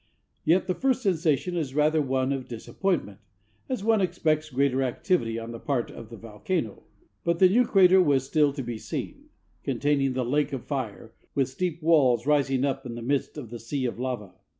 Yet the first sensation is rather one of disappointment, as one expects greater activity on the part of the volcano; but the new crater was still to be seen, containing the lake of fire, with steep walls rising up in the midst of the sea of lava.